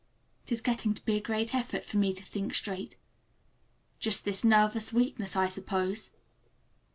It is getting to be a great effort for me to think straight. Just this nervous weakness, I suppose.